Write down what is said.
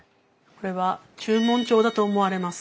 これは註文帳だと思われます。